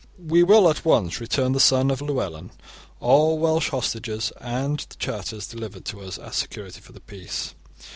* We will at once return the son of Llywelyn, all Welsh hostages, and the charters delivered to us as security for the peace.